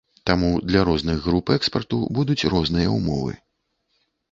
Таму для розных груп экспарту будуць розныя ўмовы.